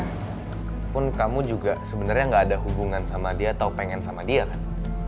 walaupun kamu juga sebenarnya gak ada hubungan sama dia atau pengen sama dia kan